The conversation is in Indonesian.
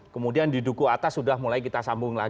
kemudian di duku atas sudah mulai kita sambung lagi